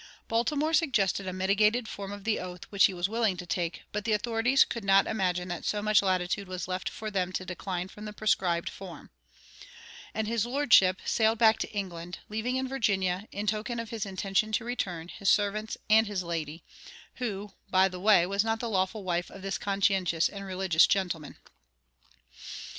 Baltimore suggested a mitigated form of the oath, which he was willing to take; but the authorities "could not imagine that so much latitude was left for them to decline from the prescribed form"; and his lordship sailed back to England, leaving in Virginia, in token of his intention to return, his servants and "his lady," who, by the way, was not the lawful wife of this conscientious and religious gentleman.